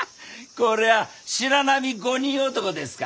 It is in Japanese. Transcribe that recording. これは「白浪五人男」ですか？